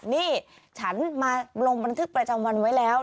นี่ฉันมาลงบันทึกประจำวันไว้แล้ว